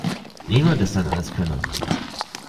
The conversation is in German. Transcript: Niemand ist ein Alleskönner.